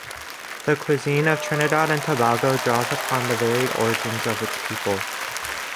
The cuisine of Trinidad and Tobago draws upon the varied origins of its people.